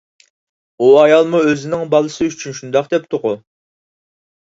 ئۇ ئايالمۇ ئۆزىنىڭ بالىسى ئۈچۈن شۇنداق دەپتىغۇ؟